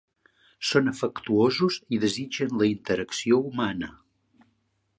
Són afectuosos i desitgen la interacció humana.